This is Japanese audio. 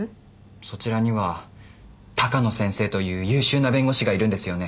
そちらには鷹野先生という優秀な弁護士がいるんですよね？